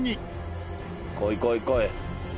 「こいこいこい！」